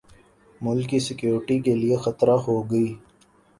ملک کی سیکیورٹی کے لیے خطرہ ہوگی